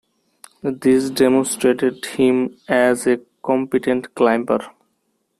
This demonstrated him as a competent climber.